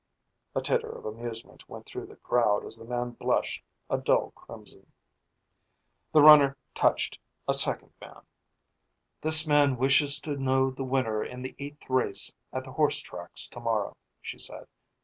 A titter of amusement went through the crowd as the man blushed a dull crimson. The runner touched a second man. "This man wishes to know the winner in the eighth race at the horse tracks tomorrow," she said.